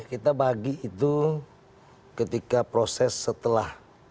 kita bagi itu ketika proses setelah